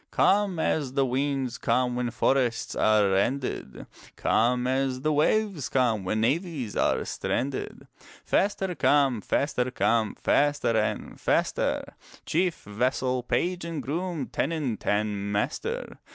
Come as the winds come when Forests are rended; Come as the waves come when Navies are stranded : Faster come, faster come, Faster and faster, Chief, vassal, page and groom, Tenant and master.